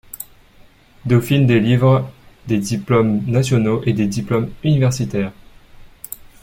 Dauphine délivre des diplômes nationaux et des diplômes universitaires.